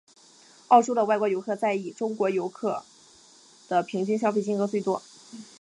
澳洲的外国游客在以中国人游客的平均消费金额最多。